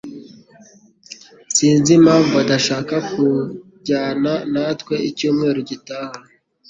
Sinzi impamvu adashaka kujyana natwe icyumweru gitaha.